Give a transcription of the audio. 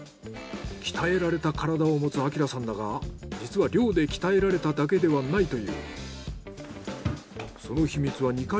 鍛えられた体を持つ晃さんだが実は漁で鍛えられただけではないという。